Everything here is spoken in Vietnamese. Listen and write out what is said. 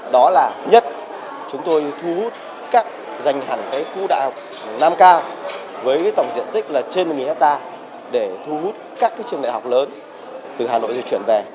đó là nhất chúng tôi thu hút các dành hẳn khu đại học nam cao với tổng diện tích là trên một hectare để thu hút các trường đại học lớn từ hà nội di chuyển về